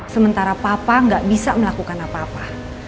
sementara papa nggak bisa melakukan apa apa